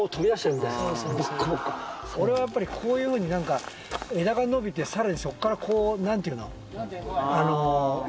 俺はやっぱりこういうふうに燭枝が伸びてさらにそこからこう何て言うの？